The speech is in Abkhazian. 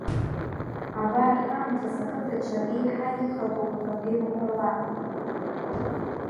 Абар, ҳаамҭазы ақыҭаҿы реиҳа ихадоу апроблемақәа руак.